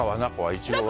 イチゴは？